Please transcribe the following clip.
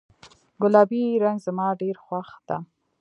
ګلابي رنګ زما ډیر خوښ ده